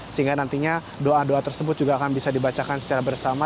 sehingga nantinya doa doa tersebut juga akan bisa dibacakan secara bersama